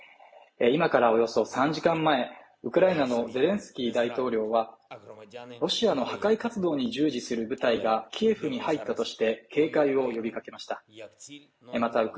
今からおよそ３時間前ウクライナのゼレンスキー大統領はロシアの破壊活動に従事する部隊がキエフに入ったとして警戒を呼びかけました